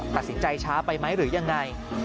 ตัดสินใจช้าไปไหมหรือยังไง